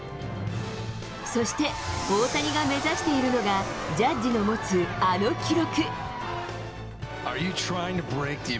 そして、大谷が目指しているのが、ジャッジの持つあの記録。